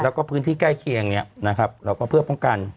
แล้วก็พื้นที่ใกล้เคียงเนี่ยนะครับเราก็เพื่อป้องกัน